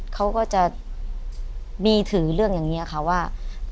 เขาก็จะมีถือเรื่องอย่างนี้ค่ะว่า